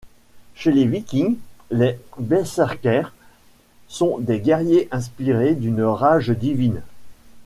Chez les Vikings, les Berserkers sont des guerriers inspirés d'une rage divine.